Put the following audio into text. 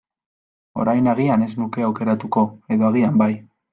Orain agian ez nuke aukeratuko, edo agian bai.